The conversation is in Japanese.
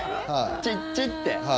チッチッって。